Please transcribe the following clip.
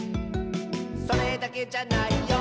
「それだけじゃないよ」